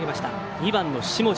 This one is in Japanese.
２番の下地。